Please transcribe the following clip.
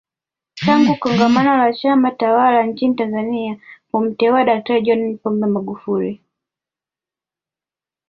Tangu kongamano la Chama tawala nchini Tanzania kumteua Daktari John Pombe Magufuli